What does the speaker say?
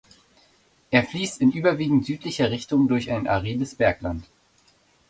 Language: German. Er fließt in überwiegend südlicher Richtung durch ein arides Bergland.